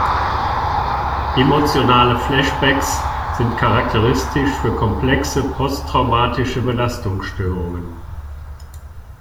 Emotionale Flashbacks sind charakteristisch für komplexe posttraumatische Belastungsstörungen.